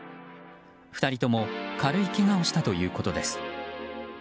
２人とも軽いけがをしたということです。